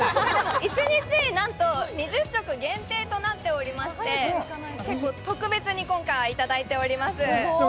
一日なんと２０食限定となっておりまして、特別に今回はいただいております。